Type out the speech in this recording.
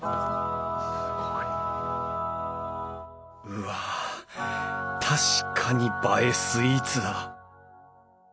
うわ確かに映えスイーツだ。